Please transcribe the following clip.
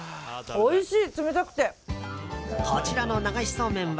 おいしい！